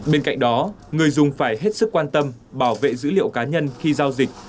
bên cạnh đó người dùng phải hết sức quan tâm bảo vệ dữ liệu cá nhân khi giao dịch